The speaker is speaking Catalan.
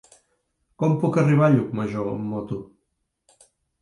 Com puc arribar a Llucmajor amb moto?